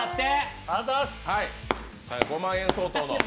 ５万円相当の。